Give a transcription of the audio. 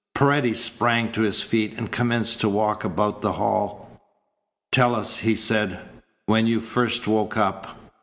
Paredes sprang to his feet and commenced to walk about the hall. "Tell us," he said, "when you first woke up?"